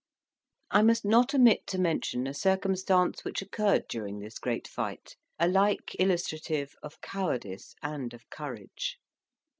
I must not omit to mention a circumstance which occurred during this great fight, alike illustrative of cowardice and of courage.